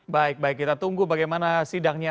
baik baik kita tunggu bagaimana sidangnya